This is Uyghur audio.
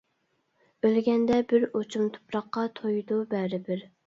ئۆلگەندە بىر ئوچۇم تۇپراققا تويىدۇ بەرىبىر!